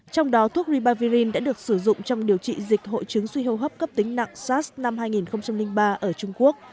trong đó thuốc ribavirin đã được sử dụng trong điều trị dịch hội chứng suy hô hấp cấp tính nặng sars năm hai nghìn ba ở trung quốc